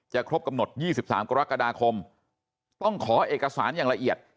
จะครบกำหนดยี่สิบสามกรกฎาคมต้องขอเอกสารอย่างละเอียด